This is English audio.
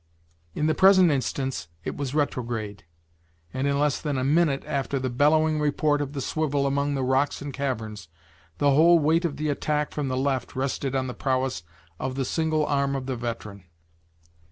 In the present instance it was retrograde, and in less than a minute after the bellowing report of the swivel among the rocks and caverns, the whole weight of the attack from the left rested on the prowess of the single arm of the veteran.